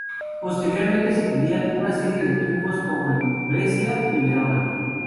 Posteriormente, seguirían una serie de triunfos, como en Brescia y Verona.